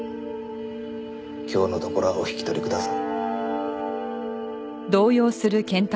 今日のところはお引き取りください。